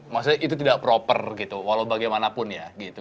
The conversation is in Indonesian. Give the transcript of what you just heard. maksudnya itu tidak proper gitu walau bagaimanapun ya gitu